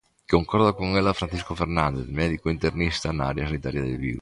Concorda con ela Francisco Fernández, médico internista na área sanitaria de Vigo.